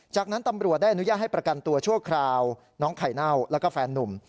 จากนั้นตำรวจได้อนุญาตให้ประกันตัวชั่วคราวน้องไข่เน่าแล้วก็แฟนนุ่ม